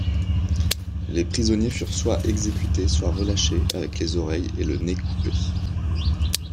Les prisonniers furent soit exécutés, soit relâchés avec les oreilles et le nez coupés.